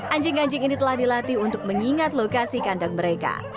anjing anjing ini telah dilatih untuk mengingat lokasi kandang mereka